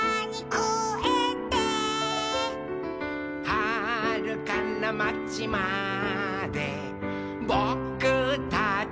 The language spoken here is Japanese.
「はるかなまちまでぼくたちの」